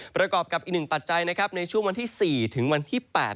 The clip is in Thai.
ประกอบกับอีกหนึ่งปัจจัยนะครับในช่วงวันที่๔ถึงวันที่๘